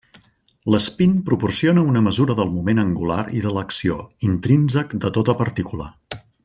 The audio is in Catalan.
L'espín proporciona una mesura del moment angular i de l'acció, intrínsec de tota partícula.